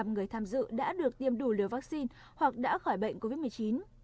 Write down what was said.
một mươi người tham dự đã được tiêm đủ liều vaccine hoặc đã khỏi bệnh covid một mươi chín